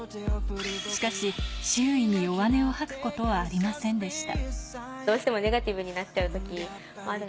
しかし、周囲に弱音を吐くことはありませんでした。